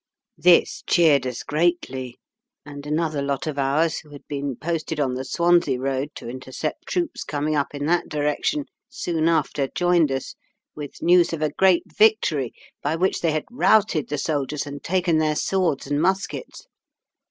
"This cheered us greatly, and another lot of ours, who had been posted on the Swansea road to intercept troops coming up in that direction, soon after joined us, with news of a great victory, by which they had routed the soldiers and taken their swords and muskets.